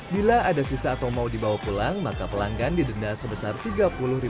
bila ada sisa atau mau dibawa pulang maka pelanggan didenda sebesar rp tiga puluh